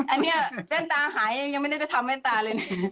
อันนี้แว่นตาหายยังไม่ได้กระทำแว่นตาเลยนะ